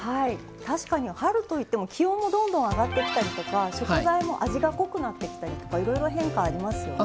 確かに春といっても気温もどんどん上がってきたりとか食材も味が濃くなってきたりとかいろいろ変化ありますよね。